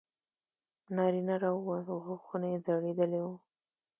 نارینه راووت غوږونه یې ځړېدلي وو.